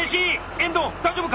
遠藤大丈夫か？